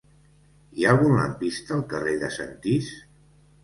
Hi ha algun lampista al carrer de Sentís?